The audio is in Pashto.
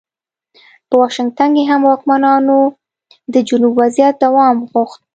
په واشنګټن کې هم واکمنانو د جنوب وضعیت دوام غوښت.